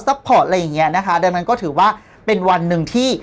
พอร์ตอะไรอย่างเงี้ยนะคะดังนั้นก็ถือว่าเป็นวันหนึ่งที่